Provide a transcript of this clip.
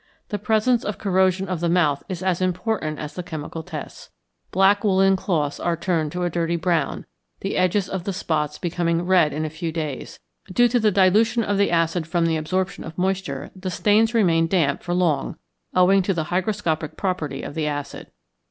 The presence of corrosion of the mouth is as important as the chemical tests. Black woollen cloths are turned to a dirty brown, the edges of the spots becoming red in a few days, due to the dilution of the acid from the absorption of moisture; the stains remain damp for long, owing to the hygroscopic property of the acid.